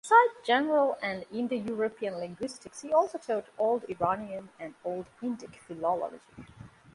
Beside general and Indo-European linguistics, he also taught Old Iranian and Old Indic philology.